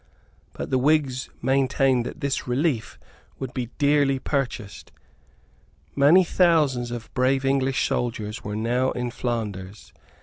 But the Whigs maintained that this relief would be dearly purchased. Many thousands of brave English soldiers were now in Flanders.